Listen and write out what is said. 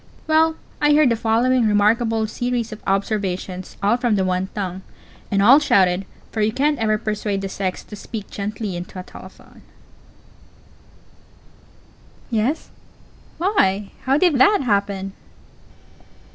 Well, I heard the following remarkable series of observations, all from the one tongue, and all shouted for you can't ever persuade the sex to speak gently into a telephone: Yes? Why, how did _that _happen?